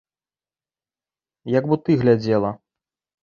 Як бо ты глядзела!